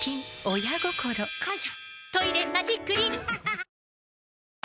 親心！感謝！